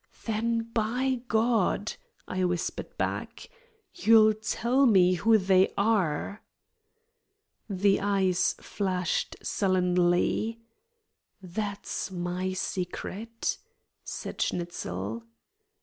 "Then, by God," I whispered back, "you'll tell me who they are!" The eyes flashed sullenly. "That's my secret," said Schnitzel.